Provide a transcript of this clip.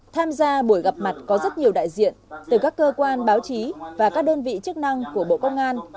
tham gia buổi gặp mặt có rất nhiều đại diện từ các cơ quan báo chí và các đơn vị chức năng của bộ công an